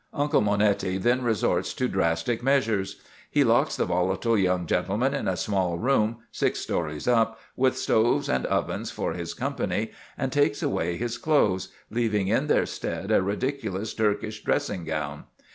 Uncle Monetti then resorts to drastic measures. He locks the volatile young gentleman in a small room, six stories up, with stoves and ovens for his company, and takes away his clothes, leaving in their stead a ridiculous Turkish dressing gown.